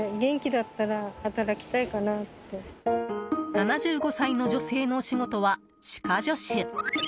７５歳の女性のお仕事は歯科助手。